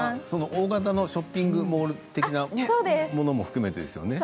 大型ショッピングモール的なものも含めてですよね。